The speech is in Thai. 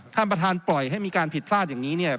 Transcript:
ท่านประธานปล่อยให้มีการผิดพลาดอย่างนี้เนี่ย